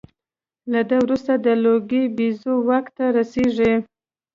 له ده وروسته د لوګي بیزو واک ته رسېږي.